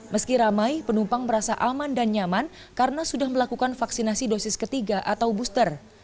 meski ramai penumpang merasa aman dan nyaman karena sudah melakukan vaksinasi dosis ketiga atau booster